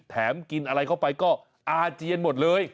กินอะไรเข้าไปก็อาเจียนหมดเลย